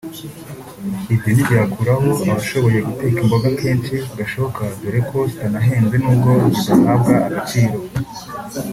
ibyo ntibyakuraho abashoboye guteka imboga kenshi gashoboka dore ko zitanahenze nubwo bidahabwa agaciro